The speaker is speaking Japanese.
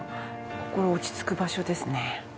心落ち着く場所ですね。